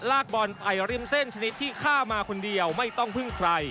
บอลไปริมเส้นชนิดที่ฆ่ามาคนเดียวไม่ต้องพึ่งใคร